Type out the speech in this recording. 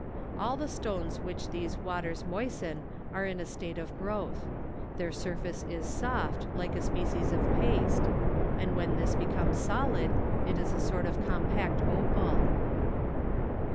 All the stones which these waters moisten are in a state of growth. Their surface is soft, like a species of paste; and when this becomes solid, it is a sort of compact opal.